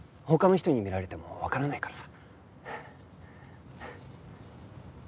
他の人に見られてもわからないからさ。